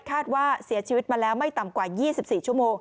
คาดว่าเสียชีวิตมาแล้วไม่ต่ำกว่า๒๔ชั่วโมง